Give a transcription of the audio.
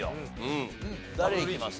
誰いきます？